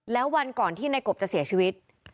แล้ววันก่อนที่ในกบจะเสียชีวิต